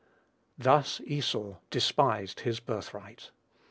"Thus Esau despised his birthright."